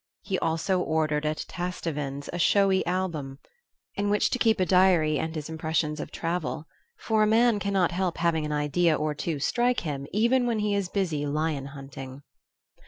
He also ordered at Tastavin's a showy album, in which to keep a diary and his impressions of travel; for a man cannot help having an idea or two strike him even when he is busy lion hunting.